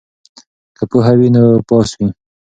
که پوهه وي نو پاس وي.